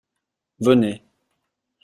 Venez.